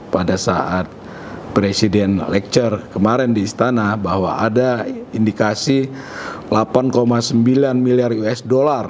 pada saat presiden lecture kemarin di istana bahwa ada indikasi delapan sembilan miliar usd